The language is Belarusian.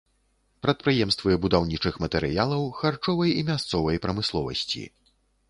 Прадпрыемствы будаўнічых матэрыялаў, харчовай і мясцовай прамысловасці.